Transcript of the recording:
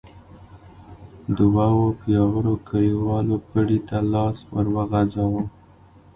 دوو پياوړو کليوالو پړي ته لاس ور وغځاوه.